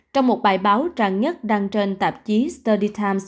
trong một bài báo trang nhất đăng trên tạp chí study times